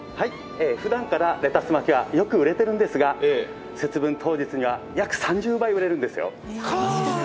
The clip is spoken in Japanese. ふだんからレタス巻きはよく売れているんですが、節分当日には約３０倍売れるんですよ。